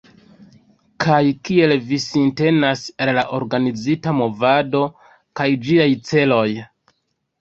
Kaj kiel vi sintenas al la organizita movado kaj ĝiaj celoj?